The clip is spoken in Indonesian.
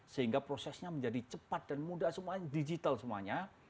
sehingga prosesnya menjadi cepat dan mudah semuanya digital semuanya